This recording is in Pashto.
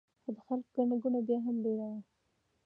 خو د خلکو ګڼه ګوڼه بیا هم ډېره زیاته وه.